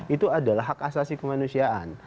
itu adalah hak asasi kemanusiaan